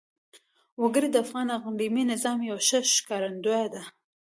وګړي د افغانستان د اقلیمي نظام یوه ښه ښکارندوی ده.